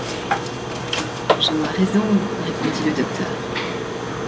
Joe a raison, répondit le docteur.